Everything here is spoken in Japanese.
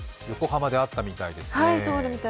横浜であったみたいですね。